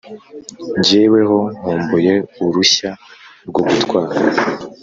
jyewe ho nkumbuye urushya rwo gutwara